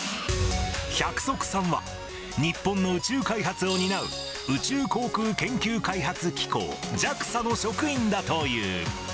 百束さんは日本の宇宙開発を担う宇宙航空研究開発機構・ＪＡＸＡの職員だという。